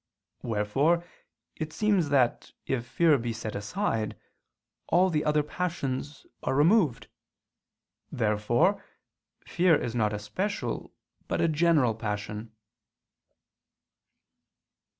Wherefore it seems that, if fear be set aside, all the other passions are removed. Therefore fear is not a special but a general passion.